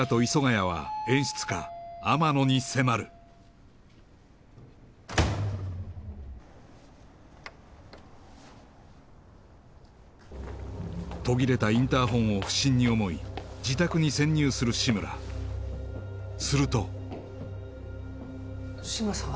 谷は演出家天野に迫る途切れたインターホンを不審に思い自宅に潜入する志村すると志村さん